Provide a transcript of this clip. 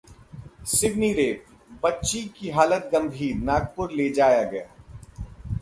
Seoni rape: बच्ची की हालत गंभीर, नागपुर ले जाया गया